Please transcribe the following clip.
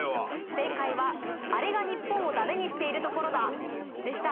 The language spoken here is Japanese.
正解は「あれが日本をダメにしているところだ」でした。